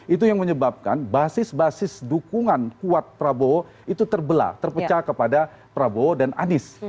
itu yang menyebabkan basis basis dukungan kuat prabowo itu terbelah terpecah kepada prabowo dan anies